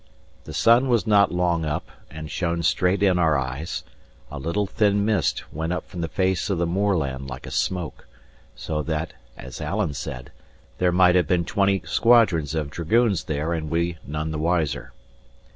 The sun was not long up, and shone straight in our eyes; a little, thin mist went up from the face of the moorland like a smoke; so that (as Alan said) there might have been twenty squadron of dragoons there and we none the wiser.